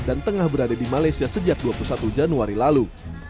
dan tengah berada di malaysia sejak dua puluh satu januari lalu